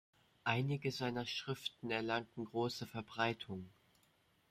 Einige seiner Schriften erlangten große Verbreitung.